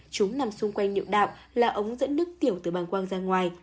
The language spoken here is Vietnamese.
chúng nằm xung quanh niệu đạo là ống dẫn nước tiểu từ bàn quang ra ngoài